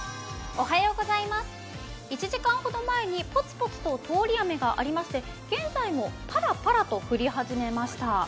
１時間ほど前にポツポツと通り雨がありまして、現在もパラパラと降り始めました。